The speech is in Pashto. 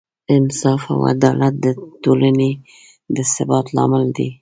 انصاف او عدالت د ټولنې د ثبات لامل دی.